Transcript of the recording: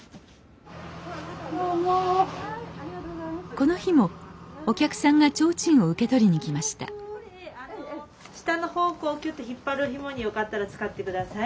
この日もお客さんが提灯を受け取りに来ました下の方こうきゅっと引っ張るひもによかったら使って下さい。